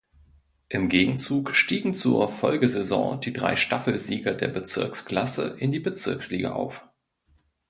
Im Gegenzug stiegen zur Folgesaison die drei Staffelsieger der Bezirksklasse in die Bezirksliga auf.